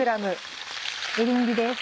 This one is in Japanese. エリンギです。